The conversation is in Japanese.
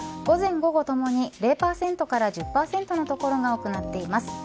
午前、午後ともに０％から１０％の所が多くなっています。